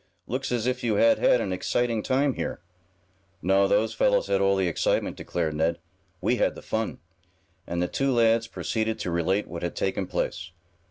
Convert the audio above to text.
"Looks as if you had had an exciting time here." "No, those fellows had all the excitement," declared Ned. "We had the fun." And the two lads proceeded to relate what had taken place.